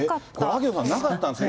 秋野さんなかったんですか？